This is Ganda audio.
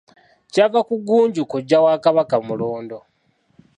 Kyava ku Ggunju kojja wa Kabaka Mulondo.